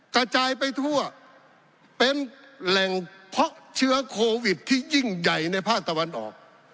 กระจายไปทั่วเป็นแหล่งเพาะเชื้อโควิดที่ยิ่งใหญ่ในภาคตะวันออก